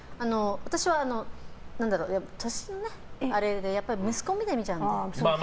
私は年のあれで息子を見てるみたいなので。